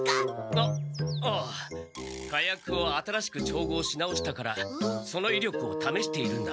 あああ火薬を新しく調合し直したからそのいりょくをためしているんだ。